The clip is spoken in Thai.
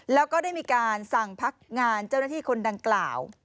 แล้วก็ได้มีการสั่งพักงานเจ้าหน้าที่คนดังกล่าว